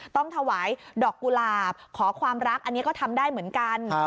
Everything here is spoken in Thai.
ต้องถวายดอกกุหลาบขอความรักอันนี้ก็ทำได้เหมือนกัน